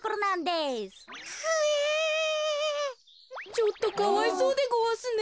ちょっとかわいそうでごわすね。